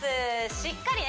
しっかりね